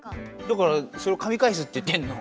だからそれをかみかえすって言ってんの。